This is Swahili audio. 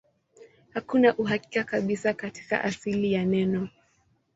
Hakuna uhakika kabisa kuhusu asili ya neno.